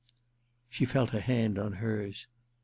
' She felt a hand on hers.